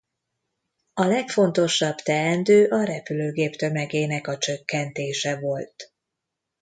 A legfontosabb teendő a repülőgép tömegének a csökkentése volt.